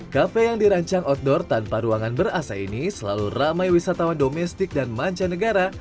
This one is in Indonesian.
kafe yang dirancang outdoor tanpa ruangan berasa ini selalu ramai wisatawan domestik dan mancanegara